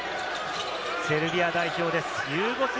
セルビア代表です。